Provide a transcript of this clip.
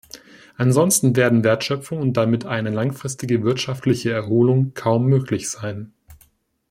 Ansonsten werden Wertschöpfung und damit eine langfristige wirtschaftliche Erholung kaum möglich sein.